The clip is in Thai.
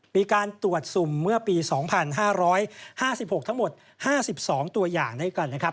มีการตรวจสุ่มเมื่อปี๒๕๕๖ทั้งหมด๕๒ตัวอย่างด้วยกันนะครับ